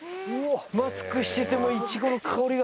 マスクしててもいちごの香りが！